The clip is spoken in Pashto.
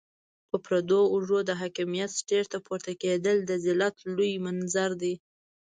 پر پردو اوږو د حاکميت سټېج ته پورته کېدل د ذلت لوی منظر دی.